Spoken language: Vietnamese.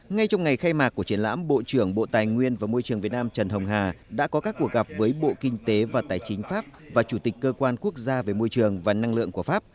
ngay trong ngày khai mạc của triển lãm bộ trưởng bộ tài nguyên và môi trường việt nam trần hồng hà đã có các cuộc gặp với bộ kinh tế và tài chính pháp và chủ tịch cơ quan quốc gia về môi trường và năng lượng của pháp